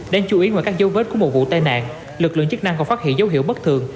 đáng chú ý ngoài các dấu vết của một vụ tai nạn lực lượng chức năng còn phát hiện dấu hiệu bất thường